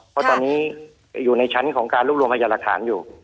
เพราะตอนนี้อยู่ในชั้นของการรวบรวมพยานหลักฐานอยู่